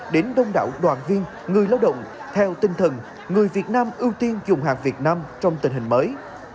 đến đông đảo đoàn viên người lao động theo tinh thần người việt nam ưu tiên dùng hàng việt nam trong tình hình mới